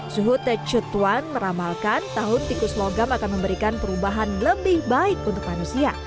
suhu techhutwan meramalkan tahun tikus logam akan memberikan perubahan lebih baik untuk manusia